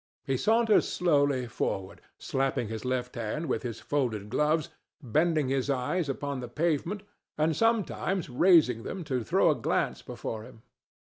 He saunters slowly forward, slapping his left hand with his folded gloves, bending his eyes upon the pavement, and sometimes raising them to throw a glance before him.